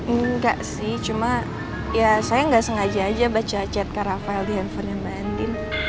enggak sih cuma ya saya nggak sengaja aja baca chat ke rafael di handphonenya mbak andi